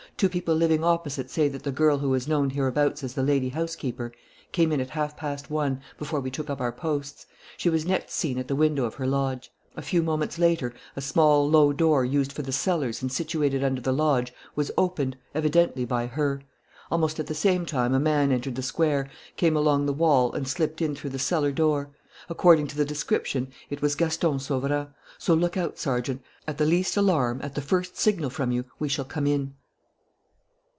Two people living opposite say that the girl who is known hereabouts as the lady housekeeper came in at half past one, before we took up our posts. She was next seen at the window of her lodge. "A few moments after, a small, low door, used for the cellars and situated under the lodge, was opened, evidently by her. Almost at the same time a man entered the square, came along the wall, and slipped in through the cellar door. According to the description it was Gaston Sauverand. So look out, Sergeant. At the least alarm, at the first signal from you, we shall come in."